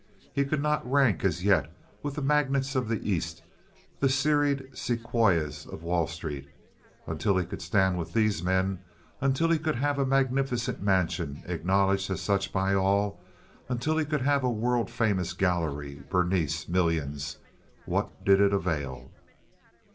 He could not rank as yet with the magnates of the East—the serried Sequoias of Wall Street. Until he could stand with these men, until he could have a magnificent mansion, acknowledged as such by all, until he could have a world famous gallery, Berenice, millions—what did it avail?